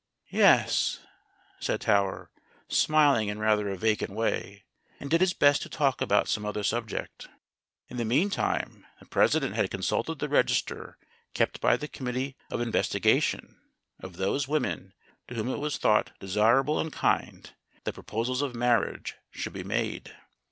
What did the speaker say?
"Yes," said Tower, smiling in rather a vacant way, and did his best to talk about some other subject. In the meantime the President had consulted the register kept by the Committee of Investigation of those wom en to whom it was thought desirable and kind that proposals of marriage should be made.